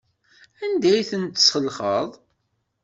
Anda ay ten-tselxeḍ?